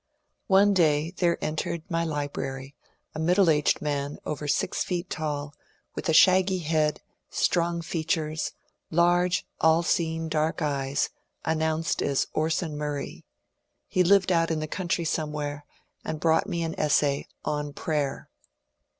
One day there entered my library a middle aged man over VICKERS AND CHOATE 315 six feet tall, with a shaggy head, strong features, large all seeing dark eyes, announced as Orson Murray. He lived out in the country somewhere, and brought me an essay ^^ On Prayer."